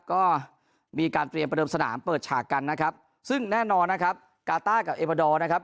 ก็มีการเตรียมประเดิมสนามเปิดฉากกันนะครับซึ่งแน่นอนนะครับกาต้ากับเอบาดอร์นะครับ